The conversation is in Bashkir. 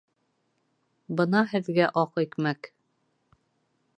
Бына һеҙгә аҡ икмәк